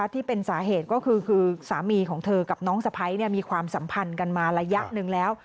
ที่เป็นสาเหตุก็คือสามีของเธอกับน้องสะพ้ายมีความสัมพันธ์กันมาระยะหนึ่งแล้ว